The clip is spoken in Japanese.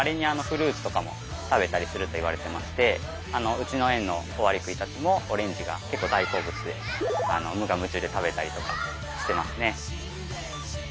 うちの園のオオアリクイたちもオレンジが結構大好物で無我夢中で食べたりとかしてますね。